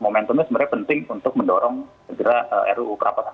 maksudnya sebenarnya penting untuk mendorong segera ruu kerapatan aset ya